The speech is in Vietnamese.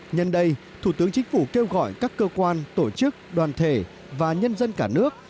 nhân đây thủ tướng chính phủ kêu gọi các cơ quan tổ chức đoàn thể và nhân dân cả nước